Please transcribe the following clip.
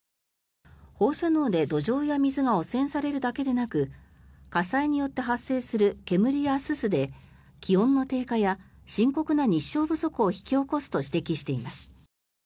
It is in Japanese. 放射能で土壌や水が汚染されるだけでなく火災によって発生する煙やすすで気温の低下や深刻な日照不足を引き起こすと指摘しています。